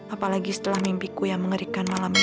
apalagi setelah mimpiku yang mengerikan malam ini